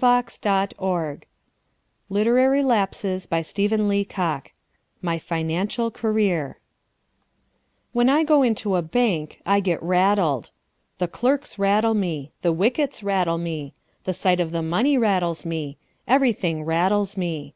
LONGFELLOW ON BOARD THE "HESPERUS" A, B, AND C My Financial Career When I go into a bank I get rattled. The clerks rattle me; the wickets rattle me; the sight of the money rattles me; everything rattles me.